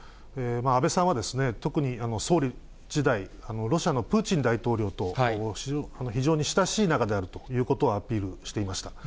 安倍さんは、特に総理時代、ロシアのプーチン大統領と非常に親しい仲であるということをアピールしていました。